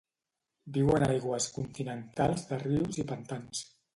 Viu en aigües continentals de rius i pantans.